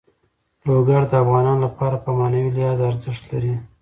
لوگر د افغانانو لپاره په معنوي لحاظ ارزښت لري.